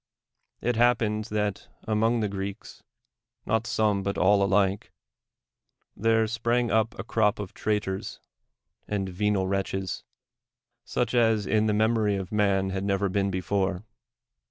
It happened that among the Greeks — not some, l)ut all alike— there sprang up a crop of traitors and venal wretches, such as in the memory of man had never been before.